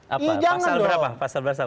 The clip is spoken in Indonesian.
apa pasal berapa pasal dasar